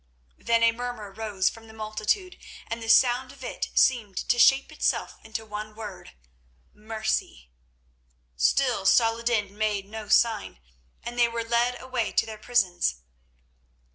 Then a murmur rose from the multitude, and the sound of it seemed to shape itself into one word: "Mercy!" Still Saladin made no sign, and they were led away to their prisons.